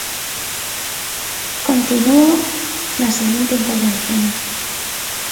Continúo na seguinte intervención.